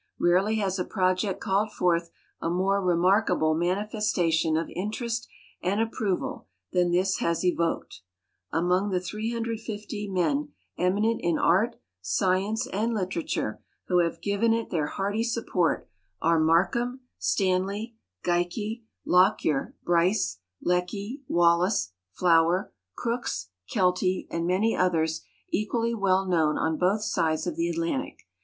Rarely has a project called forth a more remarkable manifestation of in terest and approval than this has evoked. Among the 350 men eminent in art, science, and literature who have given it their hearty support are Markham, Stanley, Geikie, Lockyer, Bryce, Lecky, Wallace, Flower, Crookes, Keltie, and many others equally well known on both sides of the Atlantic.